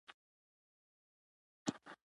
د سفر خوږې کیسې یې وکړې.